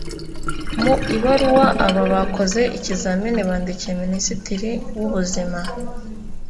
Mu ibaruwa aba bakoze ibizamini bandikiye Minisitiri w’Ubuzima